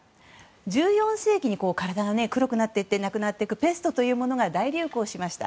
１４世紀に体が黒くなっていって亡くなるペストというものが大流行しました。